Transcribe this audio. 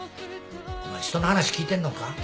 お前人の話聞いてんのか？